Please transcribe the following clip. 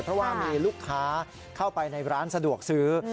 เพราะว่ามีลูกค้าเข้าไปในร้านสะดวกซื้อ